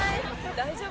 大丈夫？